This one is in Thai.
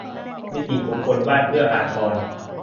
นิติบุคคลบ้านเอื้ออาทร